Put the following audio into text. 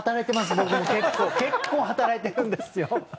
僕も結構結構働いてるんですよ